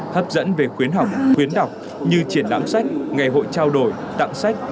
hấp dẫn về khuyến học khuyến đọc như triển lãm sách ngày hội trao đổi tặng sách